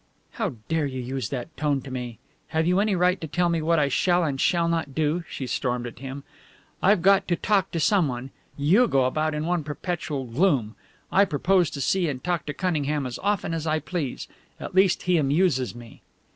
"How dare you use that tone to me? Have you any right to tell me what I shall and shall not do?" she stormed at him. "I've got to talk to someone. You go about in one perpetual gloom. I purpose to see and talk to Cunningham as often as I please. At least he amuses me."